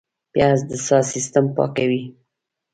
پیاز د ساه سیستم پاکوي